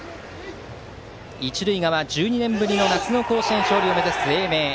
一塁側、１２年ぶりの夏の甲子園勝利を目指す英明。